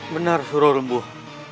benar suruh rumbuh